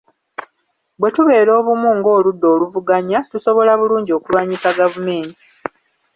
Bwe tubeera obumu ng’oludda oluvuganya, tusobola bulungi okulwanyisa gavumenti.